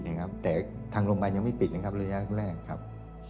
เองครับแต่ทางโรงพยาบาลยังไม่ปิดนะครับระยะแรกครับ